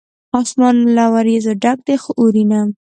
اسمان له وریځو ډک دی ، خو اوري نه